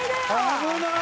危ない！